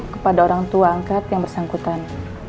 kepada orang tua angkat yang bersangkutan